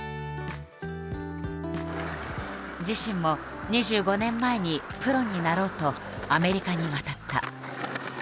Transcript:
自身も２５年前にプロになろうとアメリカに渡った。